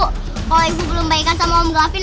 kalau ibu belum baikan sama om gafin